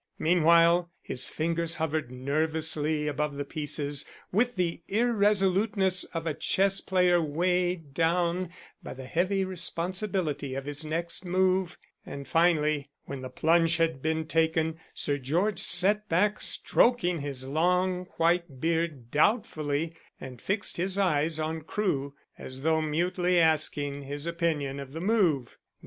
Meanwhile, his fingers hovered nervously above the pieces with the irresoluteness of a chess player weighed down by the heavy responsibility of his next move, and, finally, when the plunge had been taken Sir George sat back, stroking his long white beard doubtfully, and fixed his eyes on Crewe, as though mutely asking his opinion of the move.